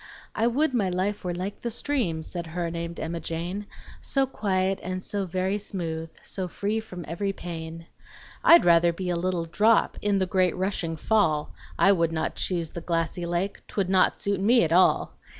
"I would my life were like the stream," Said her named Emma Jane, "So quiet and so very smooth, So free from every pain." "I'd rather be a little drop In the great rushing fall! I would not choose the glassy lake, 'T would not suit me at all!"